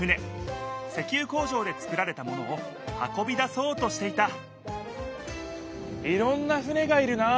石ゆ工場で作られたものを運びだそうとしていたいろんな船がいるなあ！